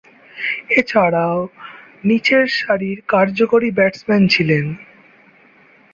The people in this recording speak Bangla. এছাড়াও, নিচেরসারির কার্যকরী ব্যাটসম্যান ছিলেন।